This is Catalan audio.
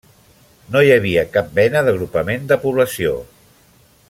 No hi havia cap mena d'agrupament de població.